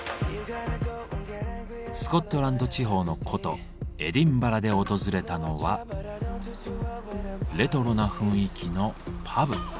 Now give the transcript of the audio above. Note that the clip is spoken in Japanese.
スコットランド地方の古都エディンバラで訪れたのはレトロな雰囲気のパブ。